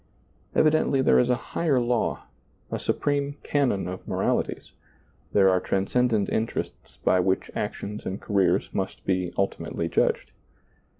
Evidently there is a higher law, a supreme canon of moralities ; there are transcendent interests by which actions and careers must be ultimately judged.